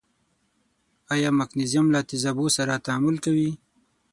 آیا مګنیزیم له تیزابو سره تعامل کوي؟